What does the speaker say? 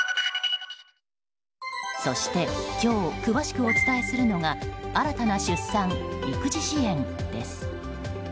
そして今日詳しくお伝えするのが新たな出産・育児支援です。